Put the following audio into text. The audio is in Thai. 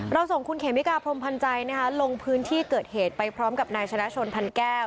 ส่งคุณเขมิกาพรมพันธ์ใจลงพื้นที่เกิดเหตุไปพร้อมกับนายชนะชนพันแก้ว